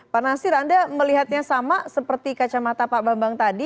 pak nasir anda melihatnya sama seperti kacamata pak bambang tadi